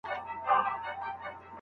که ستا د غم حرارت ماته رسېدلی نه وای